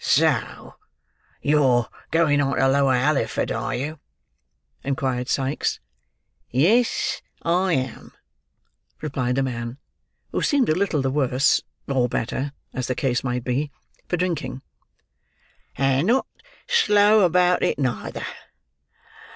"So, you're going on to Lower Halliford, are you?" inquired Sikes. "Yes, I am," replied the man, who seemed a little the worse—or better, as the case might be—for drinking; "and not slow about it neither.